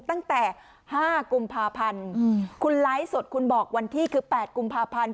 ตั้งแต่๕กุมภาพันธ์คุณไลฟ์สดคุณบอกวันที่คือ๘กุมภาพันธ์